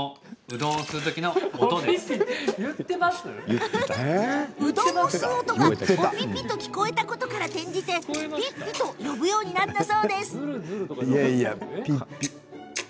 うどんを吸う音が「おぴぴ」と聞こえたことから転じて、「ぴっぴ」と呼ぶようになったそうです。